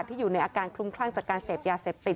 อยู่ในอาการคลุมคลั่งจากการเสพยาเสพติด